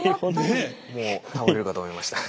もう倒れるかと思いました。